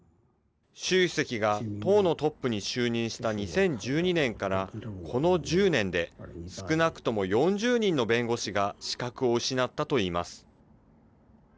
習主席が党のトップに就任した２０１２年からこの１０年で少なくとも４０人の弁護士が資格を失ったといいます。